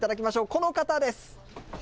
この方です。